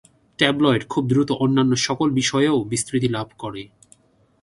Tabloid খুব দ্রুত অন্যান্য সকল বিষয়েও বিস্তৃতি লাভ করে।